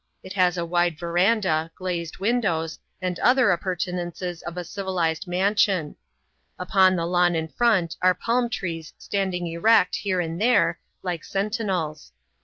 It has a wide verandah, glazed windows^ and other appurtenances of a civilized mansion. Upon the lawn in front are palm trees standing erect here and there, like senti nels.